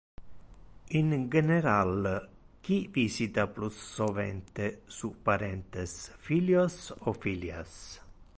In general, qui visita plus sovente su parentes: filios o filias?